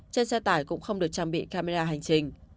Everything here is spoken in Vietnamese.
trên xe tải cũng không được trang bị camera hành trình